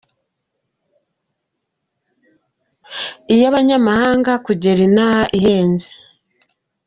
Iy’abanyamahanga Kugera inaha ihenze.